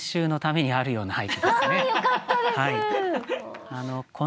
ああよかったです！